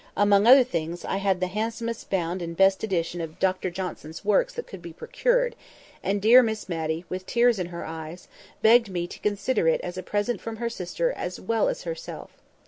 Among other things, I had the handsomest bound and best edition of Dr Johnson's works that could be procured; and dear Miss Matty, with tears in her eyes, begged me to consider it as a present from her sister as well as herself.